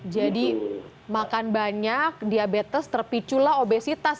jadi makan banyak diabetes terpicu lah obesitas